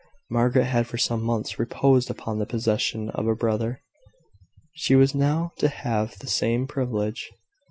Margaret had for some months reposed upon the possession of a brother: she was now to have the same privilege.